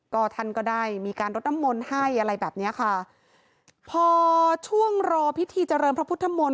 ก็ท่านก็ได้มีการรดน้ำมนต์ให้อะไรแบบเนี้ยค่ะพอช่วงรอพิธีเจริญพระพุทธมนต